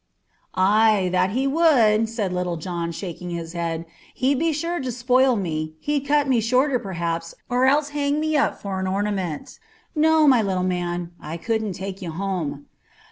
"Ay, that he would," said Little John, shaking his head. "He'd be sure to spoil me. He'd cut me shorter, perhaps, or else hang me up for an ornament. No, my little man, I couldn't take you home."